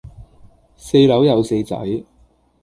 四樓有四仔